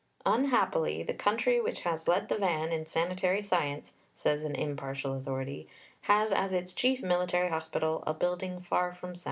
"Unhappily, the country which has led the van in sanitary science," says an impartial authority, "has as its chief military hospital a building far from satisfactory."